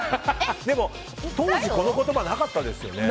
でも当時この言葉なかったですよね。